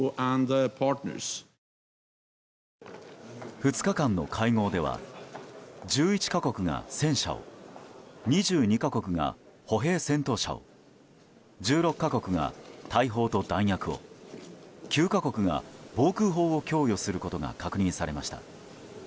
２日間の会合では１１か国が戦車を２２か国が歩兵戦闘車を１６か国が大砲と弾薬を９か国が防空砲を供与することが確認されました。